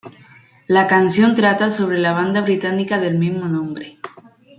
La canción trata sobre la banda británica del mismo nombre.